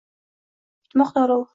Yutmoqda olov.